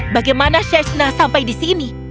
bagaimana syaishna sampai di sini